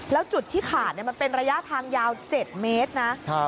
แล้วจุดที่ขาดมันเป็นระยะทางยาว๗เมตรนะ